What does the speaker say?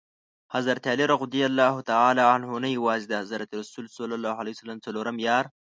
حضرت علي رض نه یوازي د حضرت رسول ص څلورم یار.